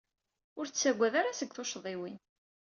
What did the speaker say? Ur ttaggad ara seg tucḍiwin.